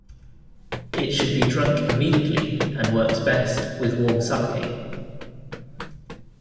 It should be drunk immediately, and works best with warm sake.